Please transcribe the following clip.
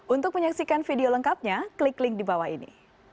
untuk menyaksikan video lengkapnya klik link di bawah ini